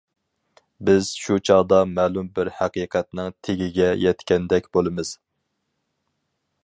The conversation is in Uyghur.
بىز شۇ چاغدا مەلۇم بىر ھەقىقەتنىڭ تېگىگە يەتكەندەك بولىمىز.